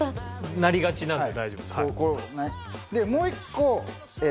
なりがちなので大丈夫です。